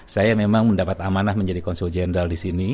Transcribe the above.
saya memang mendapat amanah menjadi konsul jenderal disini